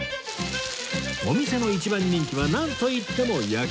お店の一番人気はなんといっても焼餃子